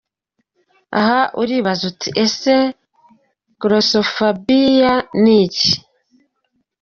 Aha uribaza uti ese Glossophobia ni iki?.